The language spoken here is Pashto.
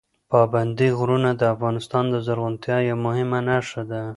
پابندي غرونه د افغانستان د زرغونتیا یوه مهمه نښه ده.